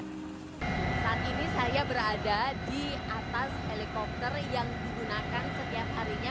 saat ini saya berada di atas helikopter yang digunakan setiap harinya